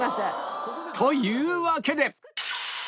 というわけで